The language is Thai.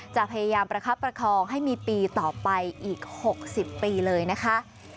จะพยายามประคับประคองให้มีปีต่อไปอีก๖๐ปีเลยนะคะ